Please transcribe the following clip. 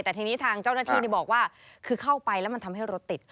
แต่ทีนี้ทางเจ้าหน้าที่บอกว่าคือเข้าไปแล้วมันทำให้รถติด